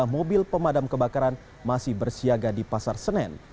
lima mobil pemadam kebakaran masih bersiaga di pasar senen